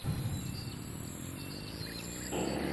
下面的合成是一个具有阻转异构选择性的合成。